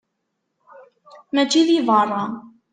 Mačči di berra.